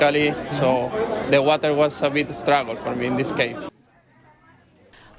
jadi airnya agak berjuang untuk saya